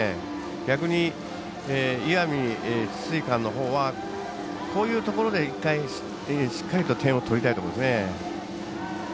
逆に、石見智翠館のほうはこういうところで１回しっかり点を取りたいところです。